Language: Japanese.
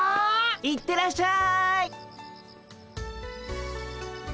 行ってらっしゃい。